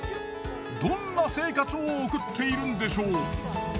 どんな生活を送っているんでしょう？